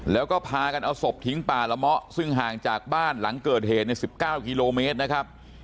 แล้วก็พากันเอาศพทิ้งป่าละเมาะซึ่งห่างจากบ้านหลังเกิดเหตุใน๑๙กิโลเมตรนะครับ